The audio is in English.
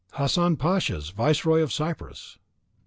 "Hassan Pasha's, viceroy of Cyprus."